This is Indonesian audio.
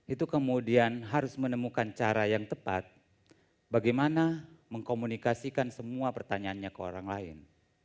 itu kemudian harus menemukan cara yang tepat bagaimana mengkomunikasikan semua pertanyaannya ke orang lain